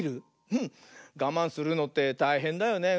うんがまんするのってたいへんだよね。